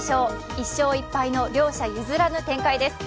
１勝１敗の両者譲らぬ展開です。